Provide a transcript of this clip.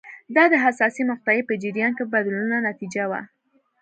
دا د حساسې مقطعې په جریان کې بدلونونو نتیجه وه.